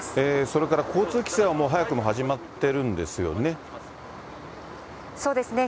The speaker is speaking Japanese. それから交通規制はもう早くも始まっているんですよね。